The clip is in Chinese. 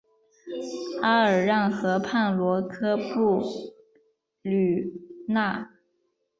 阿尔让河畔罗科布吕讷。